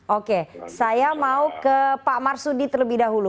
oke saya mau ke pak marsudi terlebih dahulu